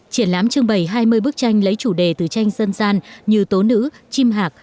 triển lãm trưng bày hai mươi bức tranh lấy chủ đề từ tranh dân gian như tố nữ chim hạc